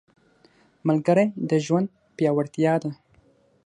ملګری د ژوند پیاوړتیا ده